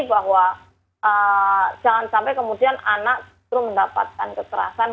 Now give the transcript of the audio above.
bahwa jangan sampai kemudian anak justru mendapatkan kekerasan